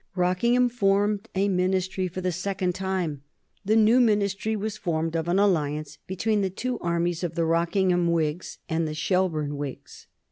Rockingham formed a Ministry for the second time. The new Ministry was formed of an alliance between the two armies of the Rockingham Whigs and the Shelburne Whigs.